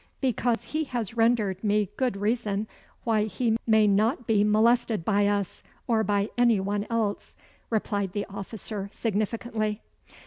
"Because he has rendered me good reason why he may not be molested by us or by any one else," replied the officer, significantly.